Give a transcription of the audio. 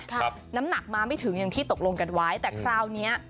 น้ำหนักมาไม่ถึงอย่างที่ตกลงกันไว้แต่คราวเนี้ย